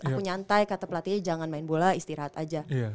aku nyantai kata pelatihnya jangan main bola istirahat aja